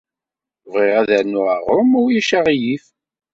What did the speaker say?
Bɣiɣ ad rnuɣ aɣrum ma ulac aɣilif.